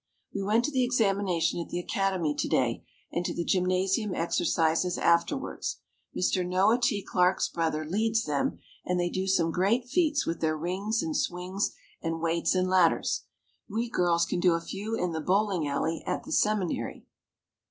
We went to the examination at the Academy to day and to the gymnasium exercises afterwards. Mr. Noah T. Clarke's brother leads them and they do some great feats with their rings and swings and weights and ladders. We girls can do a few in the bowling alley at the Seminary.